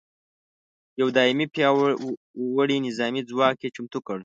یو دایمي پیاوړي نظامي ځواک یې چمتو کړ.